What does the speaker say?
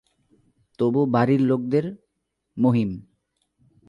তবু বাড়ির লোকদের– মহিম।